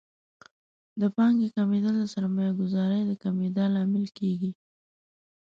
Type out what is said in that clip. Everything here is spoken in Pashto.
د پانګې کمیدل د سرمایه ګذارۍ د کمیدا لامل کیږي.